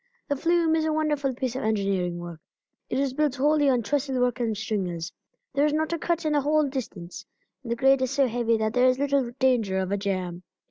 The flume is a wonderful piece of engineering work. It is built wholly on trestle work and stringers; there is not a cut in the whole distance, and the grade is so heavy that there is little danger of a jam.